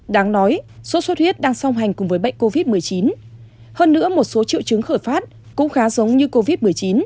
đáng nói sốt xuất huyết đang song hành cùng với bệnh covid một mươi chín hơn nữa một số triệu chứng khởi phát cũng khá giống như covid một mươi chín